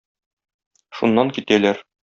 Шуннан китәләр.